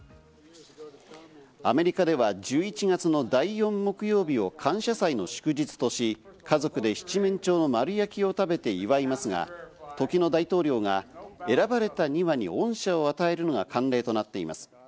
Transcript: アメリカでは１１月の第４木曜日を感謝祭の祝日とし、家族で七面鳥の丸焼きを食べて祝いますが時の大統領が選ばれた２羽に恩赦を与えるのが慣例となっています。